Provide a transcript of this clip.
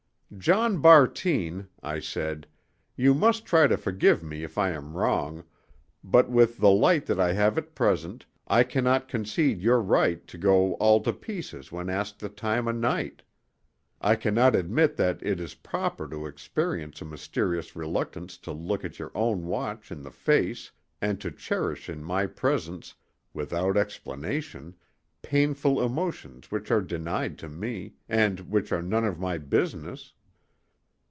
"John Bartine," I said, "you must try to forgive me if I am wrong, but with the light that I have at present I cannot concede your right to go all to pieces when asked the time o' night. I cannot admit that it is proper to experience a mysterious reluctance to look your own watch in the face and to cherish in my presence, without explanation, painful emotions which are denied to me, and which are none of my business."